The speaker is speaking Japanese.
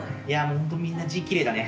ホントみんな字、きれいだね。